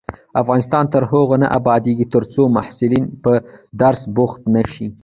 افغانستان تر هغو نه ابادیږي، ترڅو محصلین په درس بوخت نشي.